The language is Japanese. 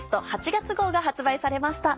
月号が発売されました。